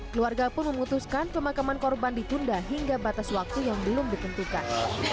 keluarga pun memutuskan pemakaman korban ditunda hingga batas waktu yang belum ditentukan